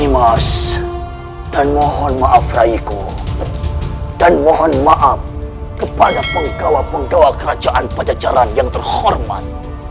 nimas dan mohon maaf raiku dan mohon maaf kepada penggawa penggawa kerajaan pajajaran yang terhormat